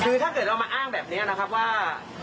คือถ้าเกิดเรามาอ้างแบบนี้นะครับว่า